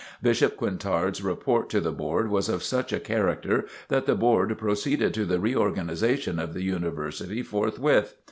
Bishop Quintard's report to the Board was of such a character that the Board proceeded to the reorganization of the University forthwith.